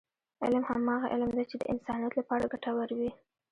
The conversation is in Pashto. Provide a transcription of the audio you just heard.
علم هماغه علم دی، چې د انسانیت لپاره ګټور وي.